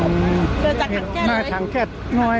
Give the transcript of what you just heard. ู๋เดินจากทางแก๊สเลย